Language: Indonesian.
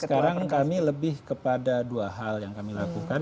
sekarang kami lebih kepada dua hal yang kami lakukan